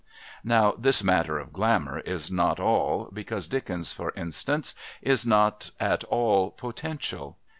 Now this matter of Glamour is not all, because Dickens, for instance, is not at all potential.